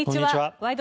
「ワイド！